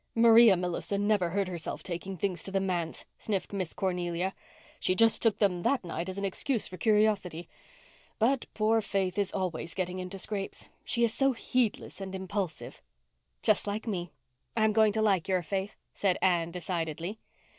"Maria Millison never hurt herself taking things to the manse," sniffed Miss Cornelia. "She just took them that night as an excuse for curiosity. But poor Faith is always getting into scrapes. She is so heedless and impulsive." "Just like me. I'm going to like your Faith," said Anne decidedly.